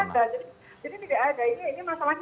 bukan masalah undang undangnya atau teorinya